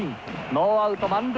ノーアウト満塁。